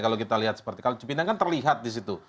kalau kita lihat seperti cipinang kan terlihat disitu